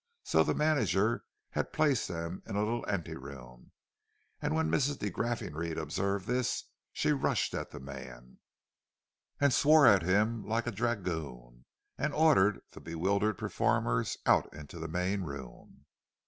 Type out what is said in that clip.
So the manager had placed them in a little ante room, and when Mrs. de Graffenried observed this, she rushed at the man, and swore at him like a dragoon, and ordered the bewildered performers out into the main room.